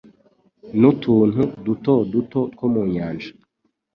n'utuntu duto duto two mu nyanja,